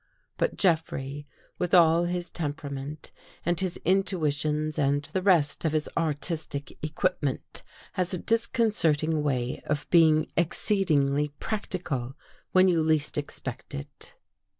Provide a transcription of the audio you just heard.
But Jeffrey, with all his temperament, and his intuitions and the rest of his artistic equipment, has a disconcerting way of being exceedingly practical when you least expect it.